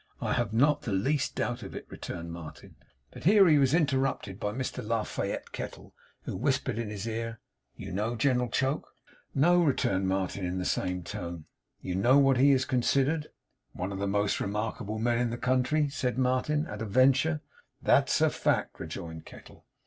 'I have not the least doubt of it,' returned Martin. But here he was interrupted by Mr La Fayette Kettle, who whispered in his ear: 'You know General Choke?' 'No,' returned Martin, in the same tone. 'You know what he is considered?' 'One of the most remarkable men in the country?' said Martin, at a venture. 'That's a fact,' rejoined Kettle.